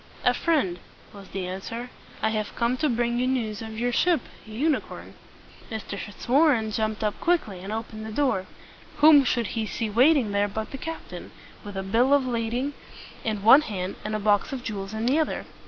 "A friend," was the answer. "I have come to bring you news of your ship 'U ni corn.'" Mr. Fitzwarren jumped up quickly, and opened the door. Whom should he see waiting there but the captain, with a bill of lading in one hand and a box of jewels in the other?